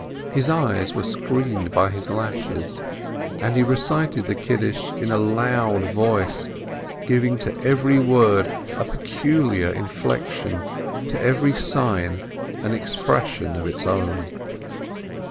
His eyes were screened by his lashes, and he recited the Sanctification in a loud voice, giving to every word a peculiar inflection, to every sign an expression of its own.